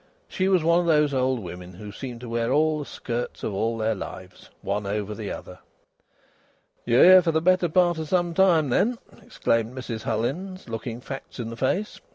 She was one of those old women who seem to wear all the skirts of all their lives, one over the other. "Ye're here for th' better part o' some time, then," observed Mrs Hullins, looking facts in the face.